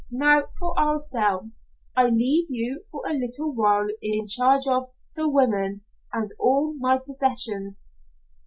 Now, for ourselves, I leave you for a little while in charge of the women and of all my possessions."